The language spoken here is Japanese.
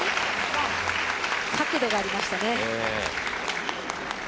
角度がありましたね。